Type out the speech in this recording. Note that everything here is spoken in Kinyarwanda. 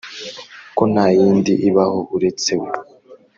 ko nta yindi ibaho uretse we